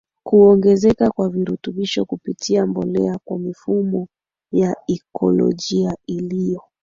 kuongezeka kwa virutubishi kupitia mbolea kwa mifumo ya ikolojia iliyo